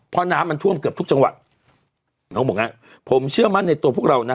เพราะน้ำมันท่วมเกือบทุกจังหวัดน้องบอกอ่ะผมเชื่อมั่นในตัวพวกเรานะ